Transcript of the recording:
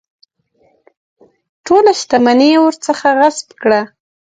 ټوله شته مني یې ورڅخه غصب کړه.